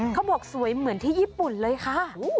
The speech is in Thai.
สวยเหมือนที่ญี่ปุ่นเลยค่ะ